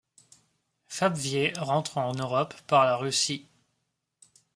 Fabvier rentre en Europe par la Russie.